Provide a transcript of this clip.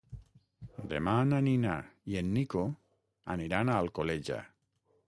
Demà na Nina i en Nico aniran a Alcoleja.